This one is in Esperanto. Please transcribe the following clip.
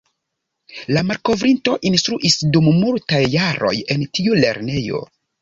La malkovrinto instruis dum multaj jaroj en tiu lernejo.